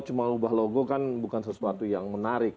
karena kalau cuma ubah logo kan bukan sesuatu yang menarik